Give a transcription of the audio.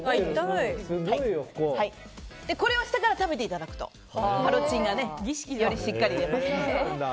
これをしてから食べていただくとパロチンが、よりしっかり出ます。